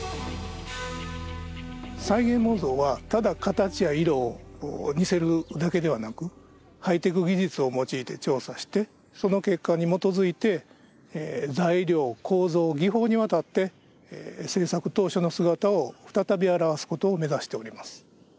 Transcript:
再現模造はただ形や色を似せるだけではなくハイテク技術を用いて調査してその結果に基づいて材料構造技法にわたって制作当初の姿を再び現すことを目指しております。